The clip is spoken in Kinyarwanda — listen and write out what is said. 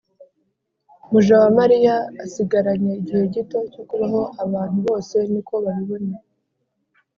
mujawamaliya asigaranye igihe gito cyo kubaho abantu bose niko babibona